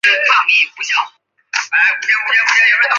中坜神社为台湾日治时期新竹州中坜郡中坜街的神社。